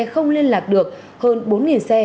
không liên lạc được hơn bốn xe